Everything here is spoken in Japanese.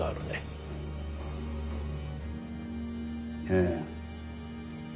ええ。